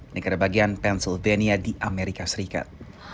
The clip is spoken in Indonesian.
negara bagian pensyldenia di amerika serikat